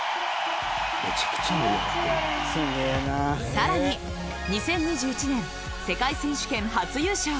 さらに２０２１年世界選手権、初優勝。